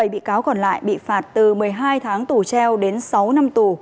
bảy bị cáo còn lại bị phạt từ một mươi hai tháng tù treo đến sáu năm tù